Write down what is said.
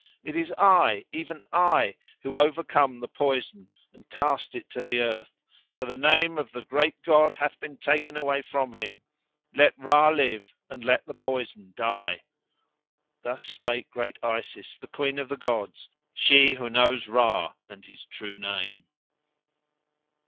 It is I, even I, who overcome the poison and cast it to the earth; for the name of the great god hath been taken away from him. Let Ra live and let the poison die." Thus spake great Isis, the queen of the gods, she who knows Ra and his true name.